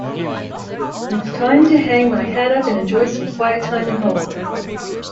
It's time to hang my hat up and enjoy some quiet time at home.